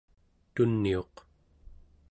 tuniuq